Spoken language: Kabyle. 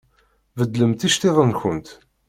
Beddlemt iceṭṭiḍen-nkent!